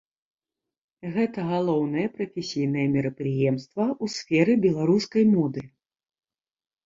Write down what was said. Гэта галоўнае прафесійнае мерапрыемства ў сферы беларускай моды.